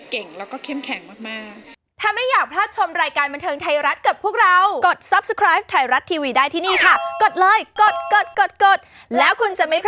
เก่งแล้วก็เข้มแข็งมาก